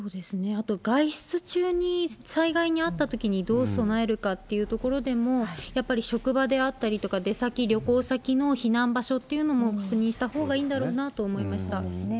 あと、外出中に災害に遭ったときにどう備えるかというところでも、やっぱり職場であったりとか、出先、旅行先の避難場所というのも確認したほうがいいんだろうなと思いそうですね。